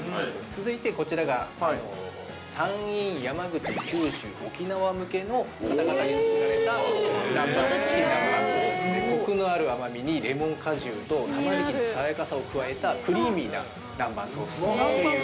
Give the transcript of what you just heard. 続いてこちらが山陰、山口、九州、沖縄向けの方々に作られたチキン南蛮ソースで、コクのある甘みに、レモン果汁とタマネギの爽やかさを加えたクリーミーな南蛮ソースという。